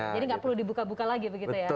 jadi tidak perlu dibuka buka lagi begitu ya